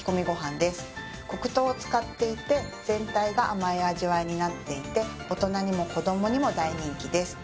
黒糖を使っていて全体が甘い味わいになっていて大人にも子どもにも大人気です